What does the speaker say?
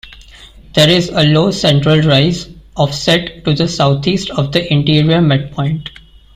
There is a low central rise, offset to the southeast of the interior midpoint.